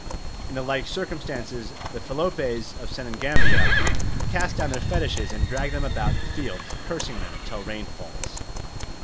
In the like circumstances the Feloupes of Senegambia cast down their fetishes and drag them about the fields, cursing them till rain falls.